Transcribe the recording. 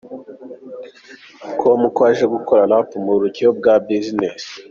com ko aje gukora Rap mu buryo bwa Business.